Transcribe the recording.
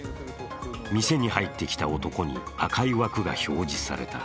店に入ってきた男に赤い枠が表示された。